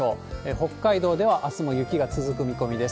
北海道では、あすも雪が続く見込みです。